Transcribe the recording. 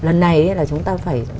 lần này là chúng ta phải